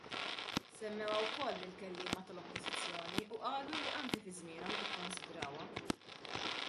Semmewha wkoll il-kelliema tal-Oppożizzjoni u qalu li anke fi żmienhom ikkonsidrawha.